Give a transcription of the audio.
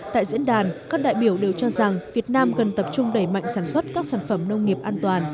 tại diễn đàn các đại biểu đều cho rằng việt nam cần tập trung đẩy mạnh sản xuất các sản phẩm nông nghiệp an toàn